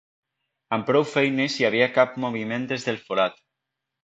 Amb prou feines hi havia cap moviment des del forat.